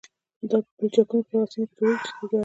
دا پلچکونه په هغه سیمو کې جوړیږي چې تیږه ارزانه وي